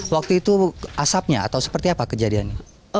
waktu itu asapnya atau seperti apa kejadiannya